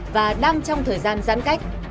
và đang trong thời gian giãn cách